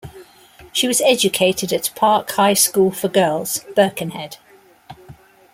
She was educated at Park High School for Girls, Birkenhead.